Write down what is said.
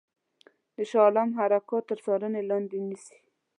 د شاه عالم حرکات تر څارني لاندي ونیسي.